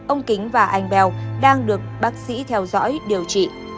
ông kính và anh bèo đang được bác sĩ theo dõi điều trị